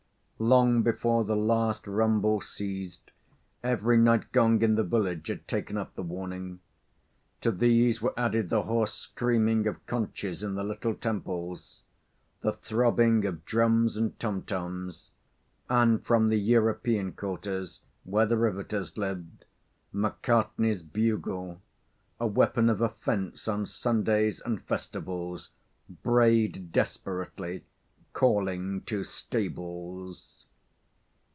Long before the last rumble ceased every night gong in the village had taken up the warning. To these were added the hoarse screaming of conches in the little temples; the throbbing of drums and tom toms; and, from the European quarters, where the riveters lived, McCartney's bugle, a weapon of offence on Sundays and festivals, brayed desperately, calling to "Stables."